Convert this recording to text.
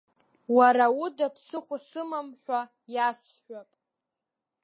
Уара уда ԥсыхәа сымам ҳәа иасҳәап.